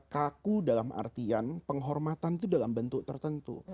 kaku dalam artian penghormatan itu dalam bentuk tertentu